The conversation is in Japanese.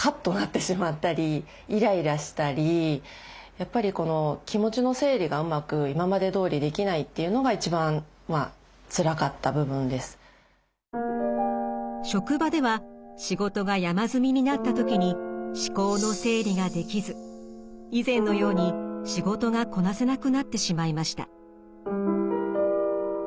やっぱりこの職場では仕事が山積みになった時に思考の整理ができず以前のように仕事がこなせなくなってしまいました。